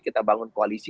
kita bangun koalisi